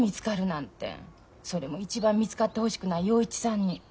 それも一番見つかってほしくない洋一さんに。